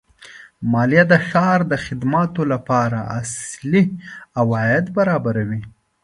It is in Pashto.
مالیه د ښار د خدماتو لپاره اصلي عواید برابروي.